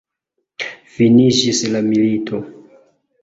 Finiĝis la milito!